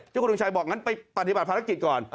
คุณทงชัยบอกงั้นไปปฏิบัติภารกิจก่อน